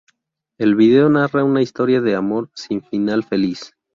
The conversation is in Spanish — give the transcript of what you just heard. El video narra una historia de un amor sin final feliz.